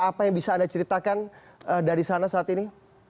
apa yang bisa anda ceritakan dari sana saat ini